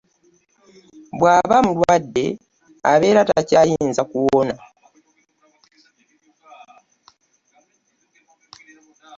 Bw'aba mukwadde abeera takyayinza kuwona.